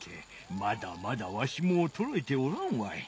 まだまだわしもおとろえておらんわい。